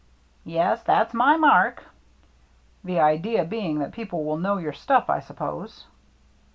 " Yes, that's my mark." " The idea being that people will know your stuff, I suppose."